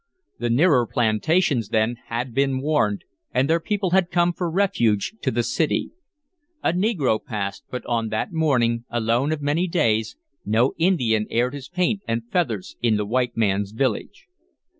The nearer plantations, then, had been warned, and their people had come for refuge to the city. A negro passed, but on that morning, alone of many days, no Indian aired his paint and feathers in the white man's village.